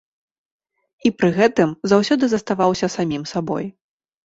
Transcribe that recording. І пры гэтым заўсёды заставаўся самім сабой.